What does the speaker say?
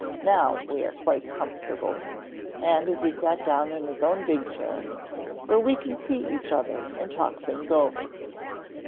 Now we are quite comfortable," and he sat down in his own big chair, "where we can see each other and talk things over."